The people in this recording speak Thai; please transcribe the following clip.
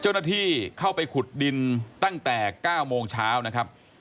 เจ้าหน้าที่เข้าไปขุดดินตั้งแต่๙โมงเช้านะครับ